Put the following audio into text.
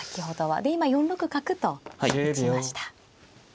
で今４六角と打ちました。